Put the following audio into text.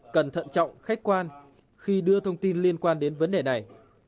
cần thận trọng khách quan khi đưa thông tin liên quan đến vấn đề này